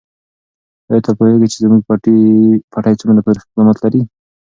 آیا ته پوهېږې چې زموږ پټی څومره تاریخي قدامت لري؟